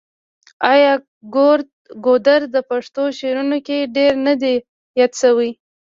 آیا ګودر د پښتو شعرونو کې ډیر نه دی یاد شوی؟